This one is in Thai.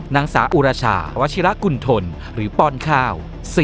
นางสาวอุราชาวชิระกุณฑลหรือป้อนข้าว